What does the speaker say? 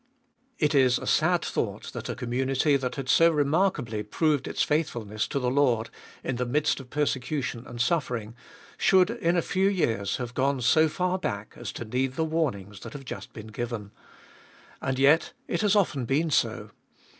It is a sad thought that a community that had so remarkably 410 abe iboliest of BU proved its faithfulness to the Lord, in the midst of persecution and suffering, should in a few years have gone so far back as to need the warnings that have just been given. And yet it has often been so.